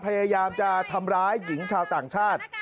พยายามจะทำร้ายหญิงชาวต่างชาติ